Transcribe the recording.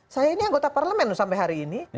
saya ini anggota parlemen sampai hari ini